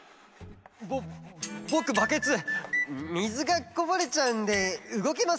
ぼぼくバケツみずがこぼれちゃうんでうごけません。